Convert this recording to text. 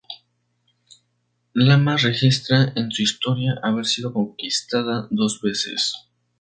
Lamas registra en su historia haber sido conquistada dos veces.